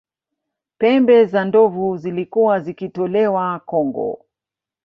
pembe za ndovu zilikuwa zikitolewa kongo